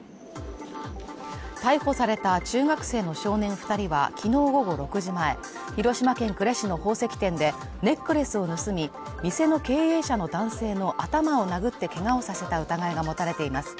逮捕された中学生の少年二人は昨日午後６時前広島県呉市の宝石店でネックレスを盗み店の経営者の男性の頭を殴ってけがをさせた疑いが持たれています